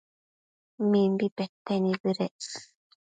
Mimbi pete nibëdec